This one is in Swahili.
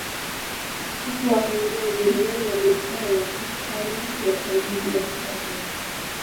Hapo wakaingia Wajerumani waliokuwa na mapatano ya usaidizi na Hungaria